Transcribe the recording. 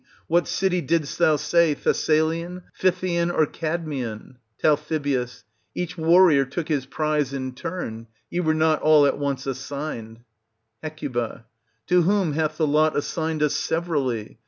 What city didst thou say, Thessalian, Phthian, or Cadmean ? Tal. Each warrior took his prize in turn ; ye were not all at once assigned. Hec. To whom hath the lot assigned us severally?